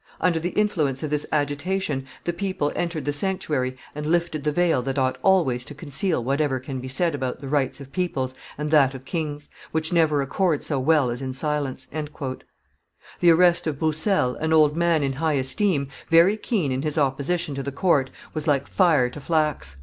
Under the influence of this agitation the people entered the sanctuary and lifted the veil that ought always to conceal whatever can be said about the right of peoples and that of kings, which never accord so well as in silence." The arrest of Broussel, an old man in high esteem, very keen in his opposition to the court, was like fire to flax.